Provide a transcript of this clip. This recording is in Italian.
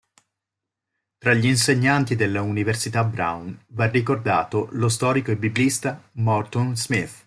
Tra gli insegnanti della Università Brown va ricordato lo storico e biblista Morton Smith.